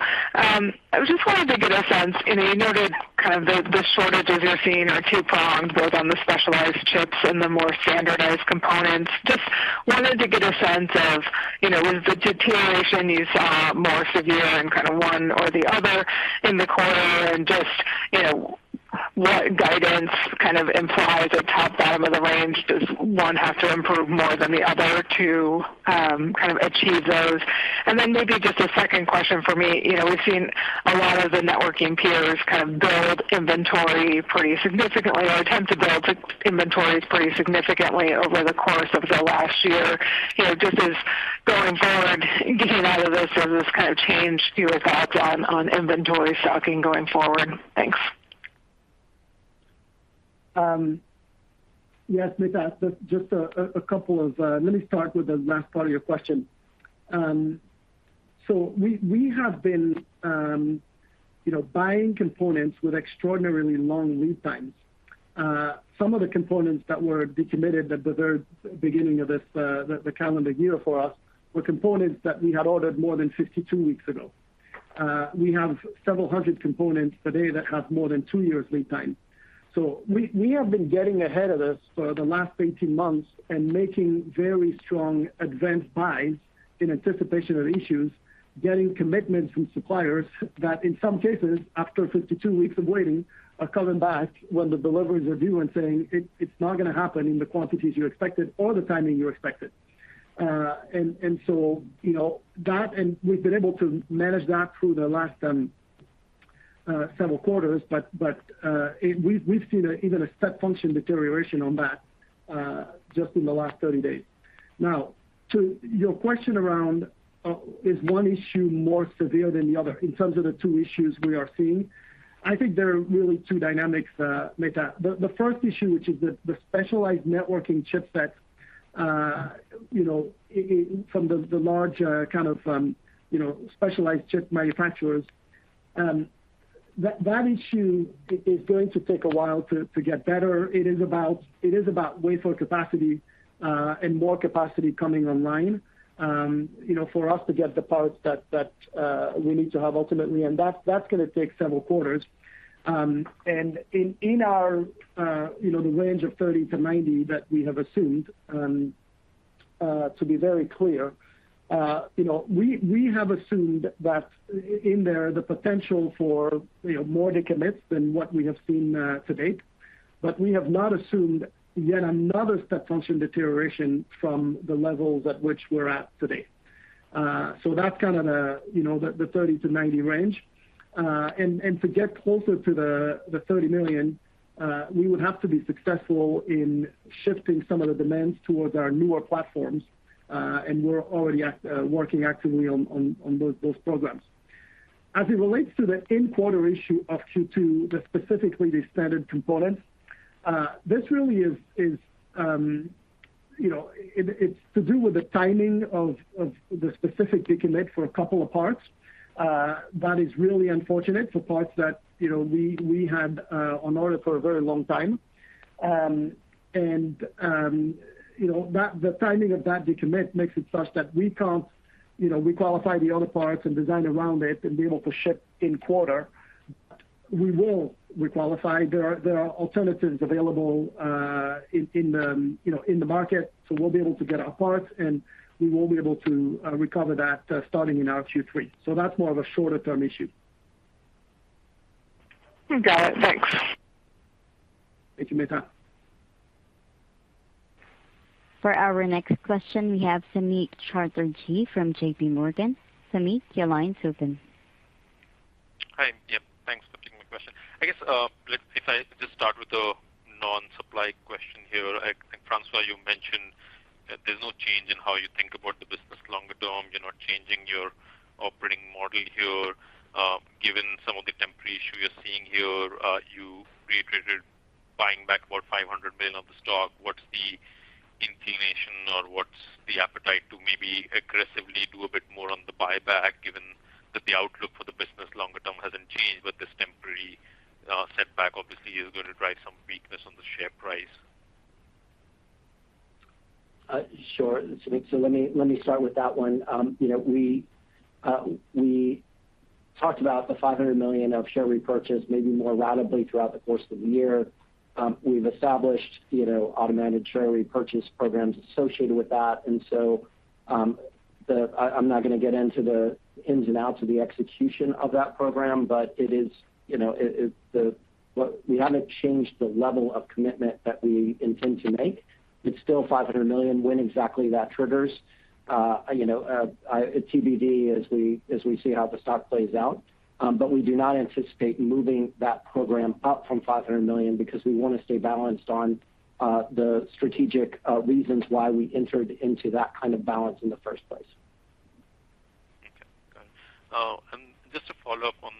I just wanted to get a sense. You know, you noted kind of the shortages you're seeing are two-pronged, both on the specialized chips and the more standardized components. Just wanted to get a sense of, you know, was the deterioration you saw more severe in kind of one or the other in the quarter? And just, you know, what guidance kind of implies at top or bottom of the range? Does one have to improve more than the other to kind of achieve those? And then maybe just a second question for me. You know, we've seen a lot of the networking peers kind of build inventory pretty significantly or attempt to build inventories pretty significantly over the course of the last year. You know, just as going forward, getting out of this or this kind of change, do you expect on inventory stocking going forward? Thanks. Yes, Meta. Let me start with the last part of your question. We have been, you know, buying components with extraordinarily long lead times. Some of the components that were decommitted at the very beginning of this calendar year for us were components that we had ordered more than 52 weeks ago. We have several hundred components today that have more than two years lead time. We have been getting ahead of this for the last 18 months and making very strong advanced buys in anticipation of issues, getting commitments from suppliers that in some cases after 52 weeks of waiting are coming back when the deliveries are due and saying it's not gonna happen in the quantities you expected or the timing you expected. You know, that and we've been able to manage that through the last several quarters, but we've seen even a step function deterioration on that just in the last 30 days. Now, to your question around is one issue more severe than the other in terms of the two issues we are seeing, I think there are really two dynamics, Meta. The first issue, which is the specialized networking chipsets you know from the large kind of you know specialized chip manufacturers, that issue is going to take a while to get better. It is about wafer capacity and more capacity coming online you know for us to get the parts that we need to have ultimately. That's gonna take several quarters. In our, you know, the range of $30 million-$90 million that we have assumed, to be very clear, you know, we have assumed that in there the potential for, you know, more decommits than what we have seen to date. That's kind of the, you know, the $30 million-$90 million range. To get closer to the $30 million, we would have to be successful in shifting some of the demands towards our newer platforms, and we're already working actively on those programs. As it relates to the end quarter issue of Q2, specifically the standard components, this really is to do with the timing of the specific decommit for a couple of parts. That is really unfortunate for parts that we had on order for a very long time. The timing of that decommit makes it such that we can't qualify the other parts and design around it and be able to ship in quarter. We will requalify. There are alternatives available in the market, so we'll be able to get our parts, and we will be able to recover that starting in our Q3. That's more of a shorter-term issue. We've got it. Thanks. Thank you, Meta. For our next question, we have Samik Chatterjee from JPMorgan. Samik, your line's open. Hi. Yep. Thanks for taking my question. I guess, if I just start with the non-supply question here. I think, François, you mentioned that there's no change in how you think about the business longer term. You're not changing your operating model here, given some of the temporary issue you're seeing here. You reiterated buying back about $500 million of the stock. What's the inclination or what's the appetite to maybe aggressively do a bit more on the buyback, given that the outlook for the business longer term hasn't changed, but this temporary setback obviously is gonna drive some weakness on the share price? Sure, Samik. Let me start with that one. You know, we talked about the $500 million of share repurchase maybe more ratably throughout the course of the year. We've established, you know, automated share repurchase programs associated with that. I'm not gonna get into the ins and outs of the execution of that program, but it is, you know, we haven't changed the level of commitment that we intend to make. It's still $500 million. When exactly that triggers, you know, it's TBD as we see how the stock plays out. We do not anticipate moving that program up from $500 million because we wanna stay balanced on the strategic reasons why we entered into that kind of balance in the first place. Okay. Got it. And just to follow up on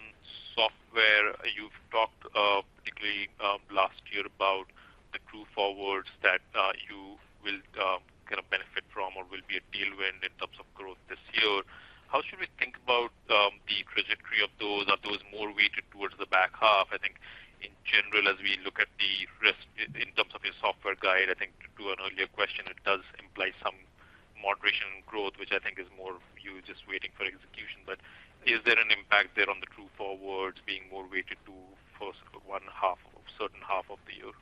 software, you've talked, particularly, last year about the true forwards that you will kind of benefit from or will be a tailwind in terms of growth this year. How should we think about the trajectory of those? Are those more weighted towards the back half? I think in general, as we look at the risk in terms of your software guidance, I think to an earlier question, it does imply some moderated growth, which I think is more you just waiting for execution. Is there an impact there on the true forwards being more weighted to front half of the year?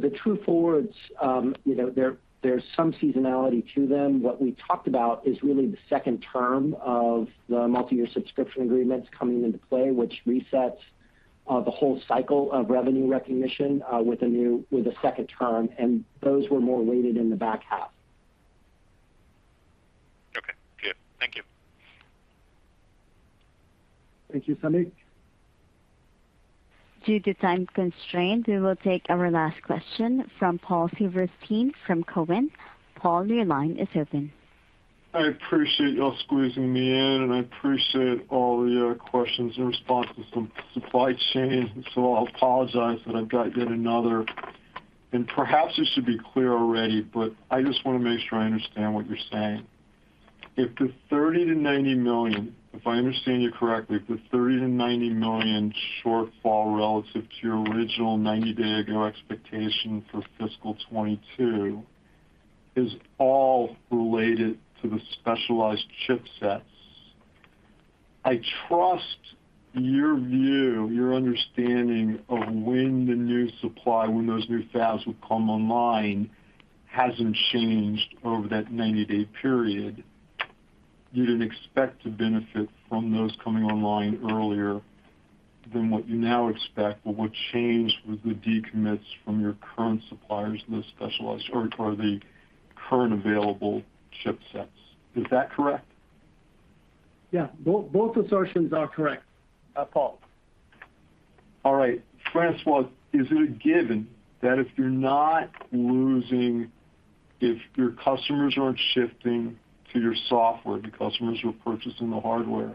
The true forwards, you know, there's some seasonality to them. What we talked about is really the second term of the multiyear subscription agreements coming into play, which resets the whole cycle of revenue recognition with a second term, and those were more weighted in the back half. Okay. Good. Thank you. Thank you, Samik. Due to time constraint, we will take our last question from Paul Silverstein from Cowen. Paul, your line is open. I appreciate y'all squeezing me in, and I appreciate all the questions in response to some supply chain, so I'll apologize that I've got yet another. Perhaps this should be clear already, but I just wanna make sure I understand what you're saying. If I understand you correctly, if the $30 million-$90 million shortfall relative to your original 90-day ago expectation for fiscal 2022 is all related to the specialized chipsets, I trust your view, your understanding of when the new supply, when those new fabs would come online hasn't changed over that 90-day period. You didn't expect to benefit from those coming online earlier than what you now expect. What changed with the decommits from your current suppliers in the specialized or the current available chipsets. Is that correct? Yeah. Both assertions are correct, Paul. All right. François, is it a given that if your customers aren't shifting to your software, the customers who are purchasing the hardware,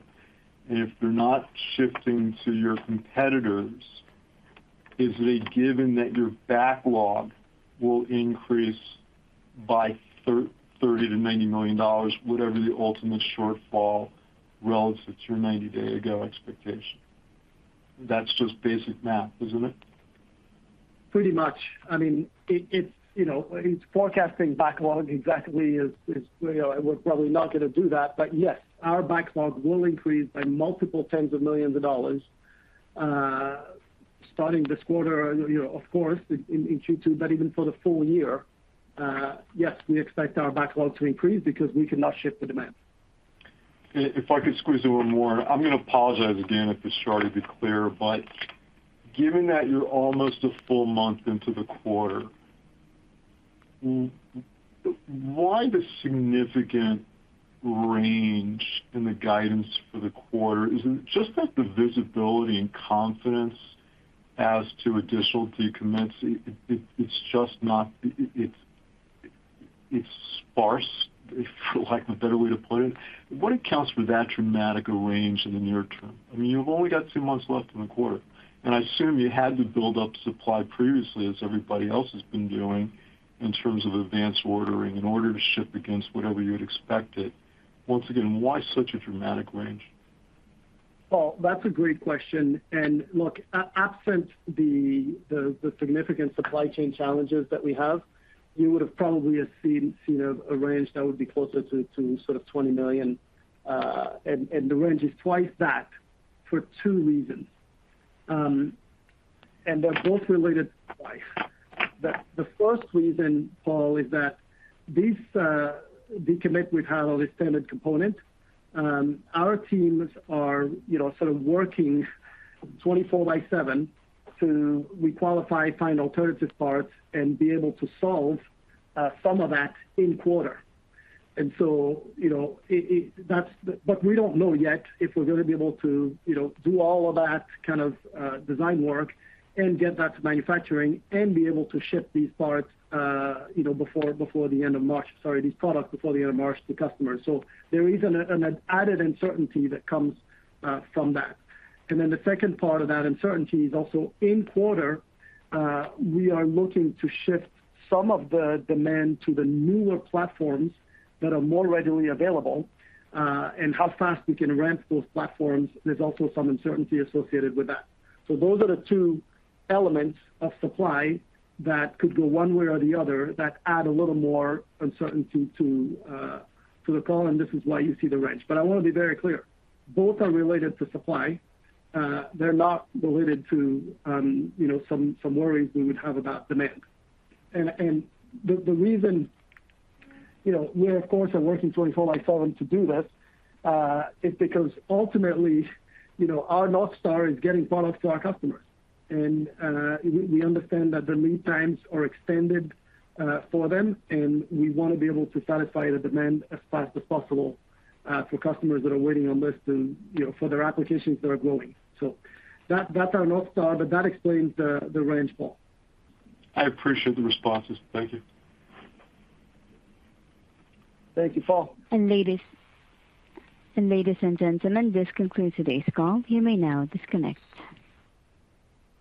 and if they're not shifting to your competitors, is it a given that your backlog will increase by $30 million-$90 million, whatever the ultimate shortfall relative to your 90-day ago expectation? That's just basic math, isn't it? Pretty much. I mean, you know, it's forecasting backlog exactly is, you know, we're probably not gonna do that. Yes, our backlog will increase by multiple 10 of millions of dollars starting this quarter, you know, of course, in Q2, but even for the full year. Yes, we expect our backlog to increase because we cannot ship the demand. If I could squeeze in one more. I'm gonna apologize again if it's already been clear. Given that you're almost a full month into the quarter, why the significant range in the guidance for the quarter? Is it just that the visibility and confidence as to additional decommits, it's just not, it's sparse, if for lack of a better way to put it. What accounts for that dramatic a range in the near term? I mean, you've only got two months left in the quarter, and I assume you had to build up supply previously as everybody else has been doing in terms of advanced ordering in order to ship against whatever you had expected. Once again, why such a dramatic range? Paul, that's a great question. Look, absent the significant supply chain challenges that we have, you would have probably seen a range that would be closer to sort of $20 million, and the range is twice that for two reasons. They're both related to supply. The first reason, Paul, is that the commitment we've had on the standard component, our teams are you know sort of working 24/7 to re-qualify, find alternative parts and be able to solve some of that in quarter. You know, it. We don't know yet if we're gonna be able to, you know, do all of that kind of design work and get that to manufacturing and be able to ship these parts, you know, before the end of March, sorry, these products before the end of March to customers. There is an added uncertainty that comes from that. The second part of that uncertainty is also in quarter we are looking to shift some of the demand to the newer platforms that are more readily available, and how fast we can ramp those platforms. There's also some uncertainty associated with that. Those are the two elements of supply that could go one way or the other that add a little more uncertainty to the call, and this is why you see the range. I wanna be very clear, both are related to supply. They're not related to, you know, some worries we would have about demand. The reason, you know, we of course are working 24 by seven to do this is because ultimately, you know, our North Star is getting products to our customers. We understand that the lead times are extended for them, and we wanna be able to satisfy the demand as fast as possible for customers that are waiting on this and, you know, for their applications that are growing. That's our North Star, but that explains the range, Paul. I appreciate the responses. Thank you. Thank you, Paul. Ladies and gentlemen, this concludes today's call. You may now disconnect.